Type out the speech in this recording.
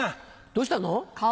どうしたの？